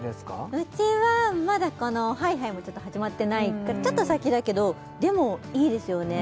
うちはまだこのハイハイも始まってないからちょっと先だけどでもいいですよね